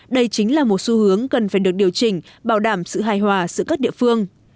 đây chính là một xu hướng cần phải được điều chỉnh bảo đảm sự hài hòa giữa các địa phương